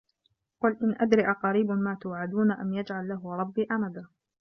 قُل إِن أَدري أَقَريبٌ ما توعَدونَ أَم يَجعَلُ لَهُ رَبّي أَمَدًا